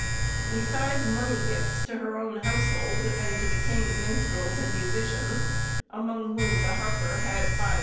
Besides money gifts to her own household, and to the king's minstrels and musicians, among whom the harper had 5_s.